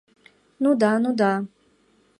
— Ну да, ну да!